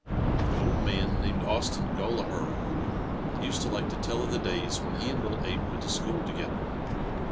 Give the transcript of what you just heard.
An old man, named Austin Gollaher, used to like to tell of the days when he and little Abe went to school together.